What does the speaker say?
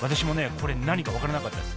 これ何か分からなかったです。